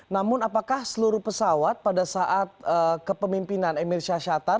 namun apakah seluruh pesawat pada saat kepemimpinan emir syahshatar